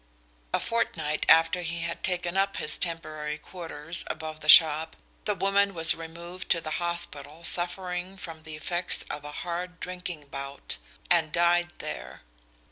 A fortnight after he had taken up his temporary quarters above the shop the woman was removed to the hospital suffering from the effects of a hard drinking bout, and died there.